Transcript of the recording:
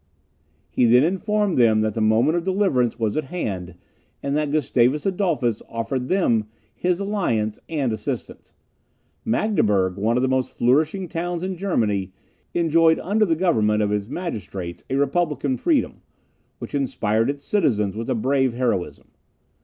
He then informed them that the moment of deliverance was at hand, and that Gustavus Adolphus offered them his alliance and assistance. Magdeburg, one of the most flourishing towns in Germany, enjoyed under the government of its magistrates a republican freedom, which inspired its citizens with a brave heroism.